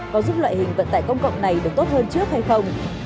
có giúp loại hình vận tải công cộng này được tốt hơn trước hay không